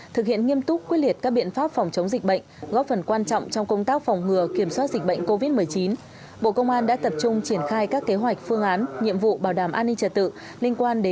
thực hiện nghiêm túc quyết liệt các biện pháp phòng chống dịch bệnh góp phần quan trọng trong công tác phòng ngừa kiểm soát dịch bệnh covid một mươi chín